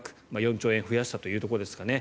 ４兆円増やしたというところですかね。